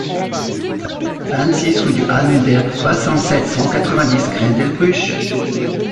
vingt-six rue du Hahnenberg, soixante-sept, cent quatre-vingt-dix, Grendelbruch